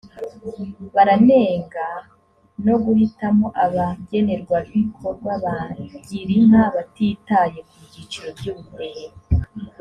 baranenga no guhitamo abagenerwabikorwa ba girinka batitaye ku byiciro by’ubudehe